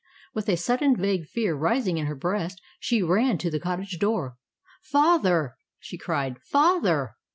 With a sudden vague fear rising in her breast, she ran to the cottage door. "Father!" she cried, "father!"